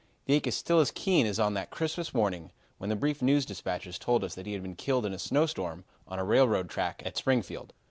The ache is still as keen as on that Christmas morning when the brief news dispatches told us that he had been killed in a snowstorm on a railroad track at Springfield.